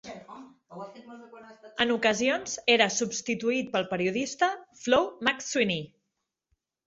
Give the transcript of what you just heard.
En ocasions era substituït pel periodista Flow McSweeney.